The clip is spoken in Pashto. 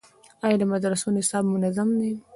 آیا د مدرسو نصاب منظم دی؟